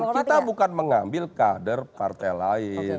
kita bukan mengambil kader partai lain